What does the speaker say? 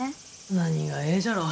何がええじゃろう。